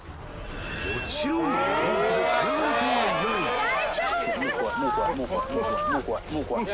［もちろん］